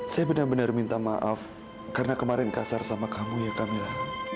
saya benar benar minta maaf karena kemarin kasar sama kamu ya camilla